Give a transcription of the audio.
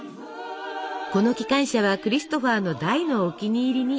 この機関車はクリストファーの大のお気に入りに。